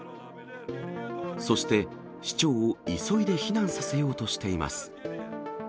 そして、市長を急いで避難させようとしています。